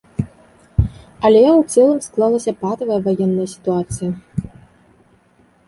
Але ў цэлым склалася патавая ваенная сітуацыя.